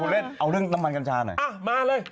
ถูกลงเล่นน้ำมันกระชาหน่อยอามาเลยเป็นไม่เดี๋ยว